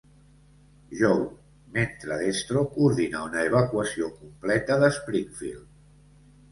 Joe, mentre Destro coordina una evacuació completa de Springfield.